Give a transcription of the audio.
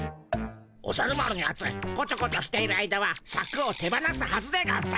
おじゃる丸のやつこちょこちょしている間はシャクを手放すはずでゴンス。